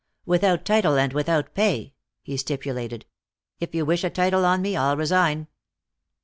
" without title and without pay," he stipulated. "If you wish a title on me, I'll resign."